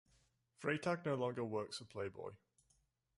Freytag no longer works for Playboy.